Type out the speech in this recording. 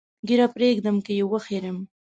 ږیره پرېږدم که یې وخریم؟